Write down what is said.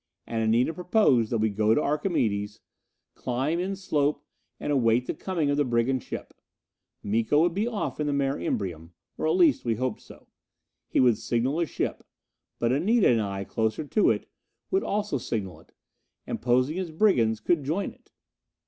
And Anita proposed that we go to Archimedes, climb in slope and await the coming of the brigand ship. Miko would be off in the Mare Imbrium. Or at least, we hoped so. He would signal his ship. But Anita and I, closer to it, would also signal it and, posing as brigands, could join it!